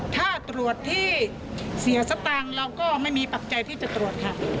ถ้าตรวจที่เสียสตางค์เราก็ไม่มีปัจจัยที่จะตรวจค่ะ